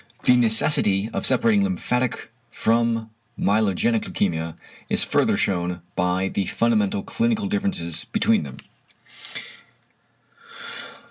The necessity of separating lymphatic from myelogenic leukæmia is further shewn by the fundamental clinical differences between them.